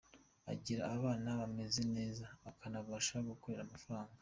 Agira abana bameze neza akanabasha gukorera amafaranga”.